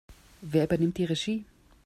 Wer übernimmt die Regie?